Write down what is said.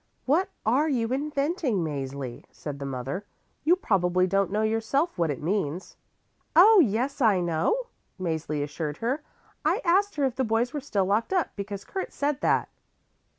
"What are you inventing, Mäzli?" said the mother. "You probably don't know yourself what it means." "Oh, yes, I know," Mäzli assured her. "I asked her if the boys were still locked up because Kurt said that."